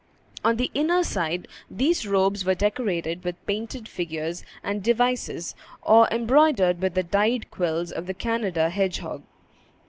On the inner side, these robes were decorated with painted figures and devices, or embroidered with the dyed quills of the Canada hedgehog.